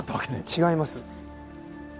違います。